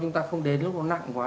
chúng ta không đến lúc nó nặng quá